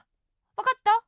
わかった？